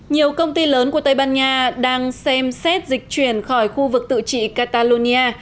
nhiều công ty lớn của tây ban nha đang xem xét dịch chuyển khỏi khu vực tự trị catalonia